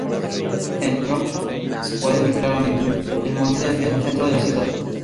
En Tromsø se puede ver claramente el monte desde el centro de la ciudad.